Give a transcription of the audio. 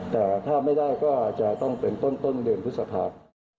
แต่ถ้าไม่ได้ก็จะต้องเป็นต้นเดือนพฤษภา